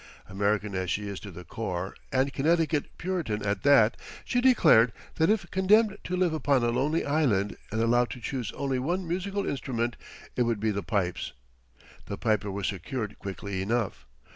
American as she is to the core, and Connecticut Puritan at that, she declared that if condemned to live upon a lonely island and allowed to choose only one musical instrument, it would be the pipes. The piper was secured quickly enough.